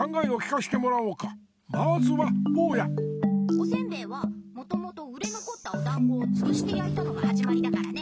おせんべいはもともと売れのこったおだんごをつぶしてやいたのがはじまりだからね。